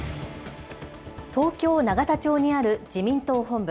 東京・永田町にある自民党本部。